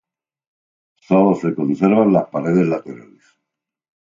Sólo se conservan las paredes laterales.